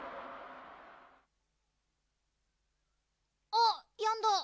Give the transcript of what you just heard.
あっやんだ。